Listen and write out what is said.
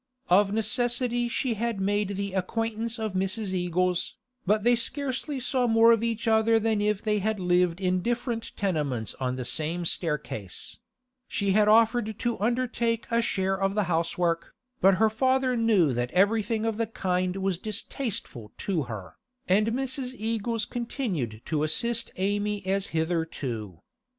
Of necessity she had made the acquaintance of Mrs. Eagles, but they scarcely saw more of each other than if they had lived in different tenements on the same staircase; she had offered to undertake a share of the housework, but her father knew that everything of the kind was distasteful to her, and Mrs. Eagles continued to assist Amy as hitherto.